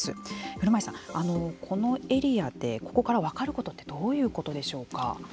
古米さん、このエリアでここから分かることってどういうことでしょうか。